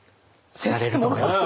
なれると思います。